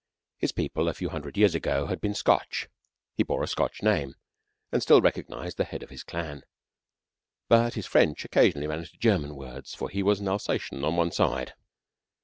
His people a few hundred years ago had been Scotch. He bore a Scotch name, and still recognized the head of his clan, but his French occasionally ran into German words, for he was an Alsatian on one side.